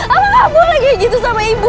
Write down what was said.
apa kamu lagi gitu sama ibu